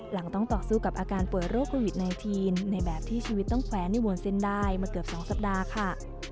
ต้องต่อสู้กับอาการป่วยโรคโควิด๑๙ในแบบที่ชีวิตต้องแว้นในวนเส้นได้มาเกือบ๒สัปดาห์ค่ะ